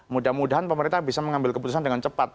mudah mudahan pemerintah bisa mengambil keputusan dengan cepat